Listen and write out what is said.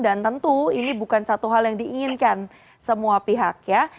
dan tentu ini bukan satu hal yang diinginkan semua pihak ya